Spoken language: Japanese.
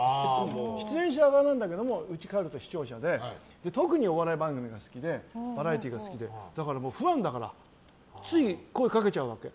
出演者なんだけどうちに帰ると視聴者で特にお笑い番組が好きでバラエティーが好きでだから、ファンだからつい声かけちゃうわけ。